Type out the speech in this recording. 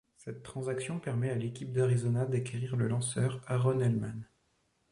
Cette transaction permet à l'équipe d'Arizona d'acquérir le lanceur Aaron Heilman.